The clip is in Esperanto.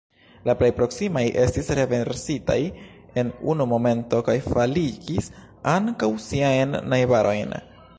La plej proksimaj estis renversitaj en unu momento kaj faligis ankaŭ siajn najbarojn.